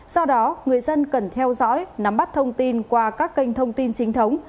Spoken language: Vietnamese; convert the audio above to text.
do đó người dân cần theo dõi nắm bắt thông tin qua các kênh thông tin chính thống